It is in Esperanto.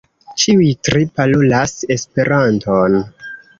Ĉiuj tri parolas Esperanton.